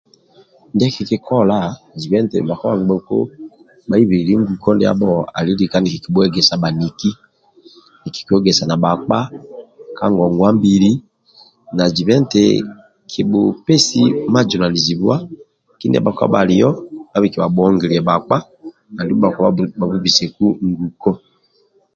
Ndie kikikola zibe eti bhakpa bhangbheku bhaibilili nguko ndiabho ali lika nikikibhuegesa bhaniki nikikiegesa nikibhuegesa na bhakpa ka ngongwa mbili na zibe eti kibhupesi bhujunanizibwa kindia bhakpa bhalio andulu bhakpa bhabhubiseku nguko